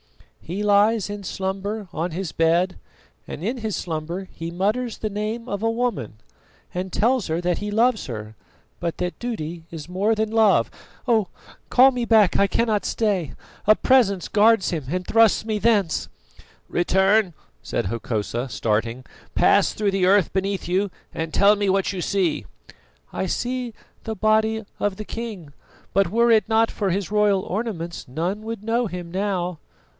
"He lies in slumber on his bed, and in his slumber he mutters the name of a woman, and tells her that he loves her, but that duty is more than love. Oh! call me back I cannot stay; a Presence guards him, and thrusts me thence." "Return," said Hokosa starting. "Pass through the earth beneath you and tell me what you see." "I see the body of the king; but were it not for his royal ornaments none would know him now."